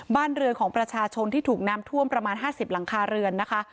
บ้านเรือนของประชาชนที่ถูกน้ำท่วมประมาณ๕๐หลังคาเรือนนะคะ